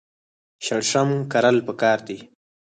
شړشم کرل پکار دي.